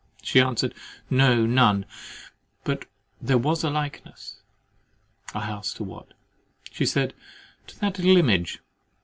She answered "No, none—but there was a likeness!" I asked, to what? She said "to that little image!"